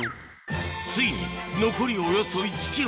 ついに残りおよそ１ｋｍ